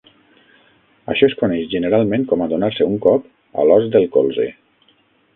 Això es coneix generalment com a donar-se un cop a "l'os del colze".